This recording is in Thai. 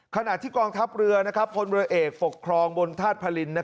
ขณะที่กองทัพเรือพลเรือเอกปกครองบนธาตุพลิน